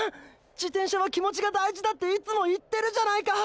自転車は気持ちが大事だっていつも言ってるじゃないか！！